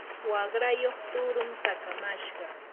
waqrayuq tuurun takamashqa.